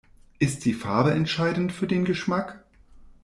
Ist die Farbe entscheidend für den Geschmack?